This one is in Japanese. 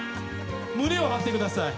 胸を張ってください。